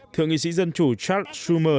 thượng nghị sĩ dân chủ charles schumer